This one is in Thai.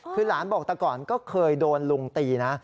คือหลานบอกแต่ก่อนก็เคยโดนลุงตีนะ